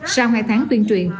sau hai tháng tuyên truyền